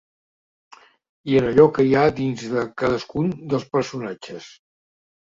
I en allò que hi ha dins de cadascun dels personatges.